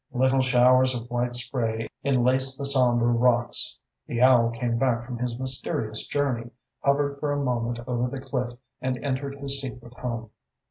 Little showers of white spray enlaced the sombre rocks. The owl came back from his mysterious journey, hovered for a moment over the cliff and entered his secret home.